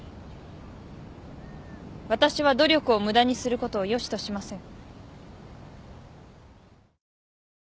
私は努力を無駄にすることを良しとしません。